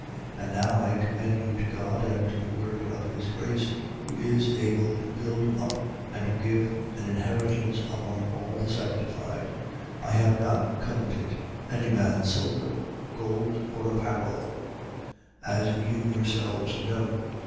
20:32. And now I commend you to God and to the word of his grace, who is able to build up and to give an inheritance among all the sanctified. 20:33. I have not coveted any man's silver, gold or apparel, as 20:34. You yourselves know.